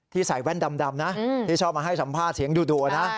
ที่ใส่แว่นดำนะที่ชอบมาให้สำพาดเสียงดูดูนะ